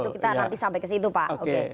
untuk kita nanti sampai ke situ pak